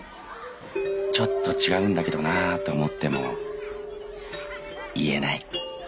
ちょっと違うんだけどなぁと思っても言えない」。